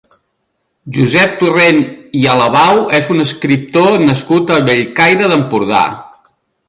Josep Torrent i Alabau és un escriptor nascut a Bellcaire d'Empordà.